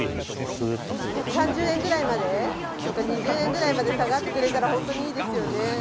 １３０円ぐらいまでとか、２０円ぐらいまで下がってくれたら、本当にいいですよね。